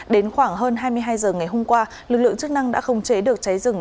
đến khoảng hơn hai mươi hai h ngày hôm qua lực lượng chức năng đã khống chế được cháy rừng